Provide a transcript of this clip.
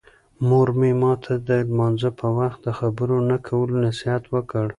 مور مې ماته د لمانځه په وخت د خبرو نه کولو نصیحت وکړ.